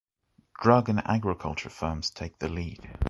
Drug and agriculture firms take the lead.